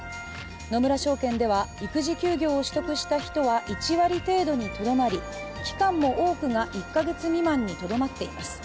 野村證券では育児休業を取得した人は１割程度にとどまり、期間も多くが１カ月未満にとどまっています。